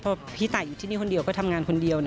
เพราะพี่ตายอยู่ที่นี่คนเดียวก็ทำงานคนเดียว